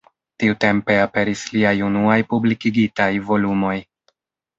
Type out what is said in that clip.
Tiutempe aperis liaj unuaj publikigitaj volumoj.